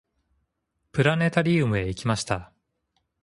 プラネタリウムへ行きました。